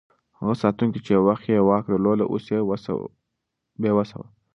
هغه ساتونکی چې یو وخت یې واک درلود، اوس بې وسه و.